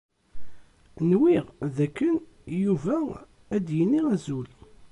Nwiɣ dakken Yuba ad d-yini azul.